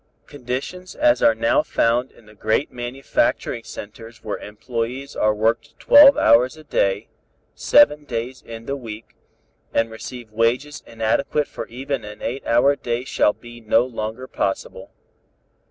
Conditions as are now found in the great manufacturing centers where employés are worked twelve hours a day, seven days in the week, and receive wages inadequate for even an eight hour day shall be no longer possible.